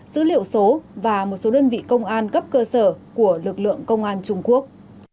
dữ liệu số và một số đơn vị công an cấp cơ sở của lực lượng công an trung quốc